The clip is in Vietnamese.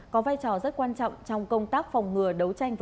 có vai trò rất đáng đáng đáng